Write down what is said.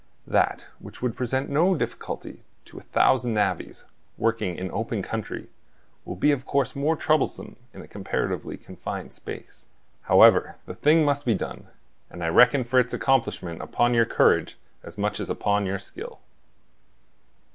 That which would present no difficulty to a thousand navvies working in open country will be of course more troublesome in a comparatively confined space. However, the thing must be done, and I reckon for its accomplishment upon your courage as much as upon your skill."